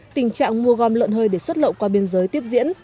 tình trạng mua gom lợn hơi để xuất lậu qua biên giới tiếp diễn